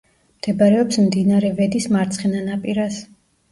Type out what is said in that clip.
მდებარეობს მდინარე ვედის მარცხენა ნაპირას.